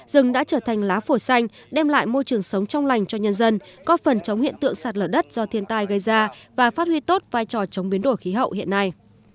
rừng đã trở thành lá phổi xanh đem lại môi trường sống trong lành cho nhân dân có phần chống hiện tượng sạt lở đất do thiên tai gây ra và phát huy tốt vai trò chống biến đổi khí hậu hiện nay